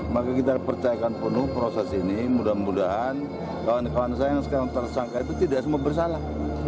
maka kita percayakan penuh proses ini mudah mudahan kawan kawan saya yang sekarang tersangka itu tidak semua bersalah